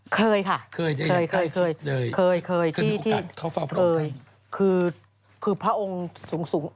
เคยค่ะเคยะเคยคือพระองค์สูง